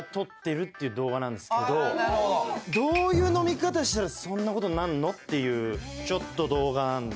どういう飲み方したらそんなことになんの？っていうちょっと動画なんで。